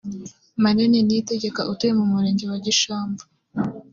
Mariane Niyitegeka utuye mu murenge wa Gishamvu